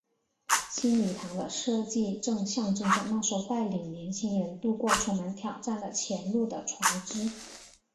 新礼堂的设计正象征着那艘带领年青人渡过充满挑战的前路的船只。